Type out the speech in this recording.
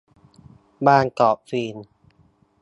บางกอกฟิล์ม